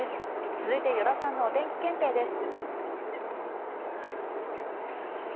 続いて依田さんのお天気検定です。